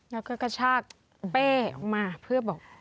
แล้วก็กระชากเป้ออกมาเพื่อบอก